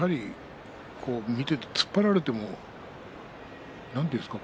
見ていて突っ張られてもなんていうんでしょうか。